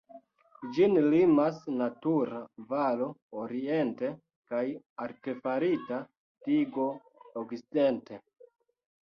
Ĝin limas natura valo oriente kaj artefarita digo okcidente.